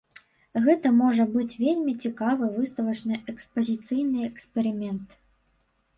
Гэта можа быць вельмі цікавы выставачна-экспазіцыйны эксперымент.